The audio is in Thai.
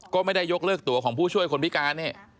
ก็ไม่ได้ยกเลิกตัวของผู้ช่วยคนพิการเนี่ย